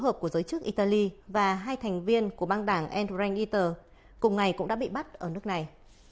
thứ hợp của giới chức italy và hai thành viên của bang đảng endrang eater cùng ngày cũng đã bị bắt ở nước này